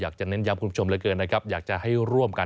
อยากจะเน้นย้ำคุณผู้ชมเยอะเกินอยากให้ร่วมค่ะ